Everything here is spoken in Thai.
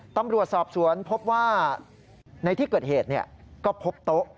ตำรวจสอบสวนพบว่าในที่เกิดเหตุก็พบโต๊ะ